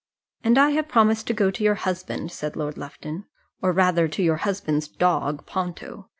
"And I have promised to go to your husband," said Lord Lufton; "or rather to your husband's dog, Ponto.